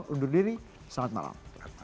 undur diri selamat malam